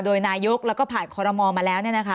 โดยนายกแล้วก็ผ่านคอรมอลมาแล้ว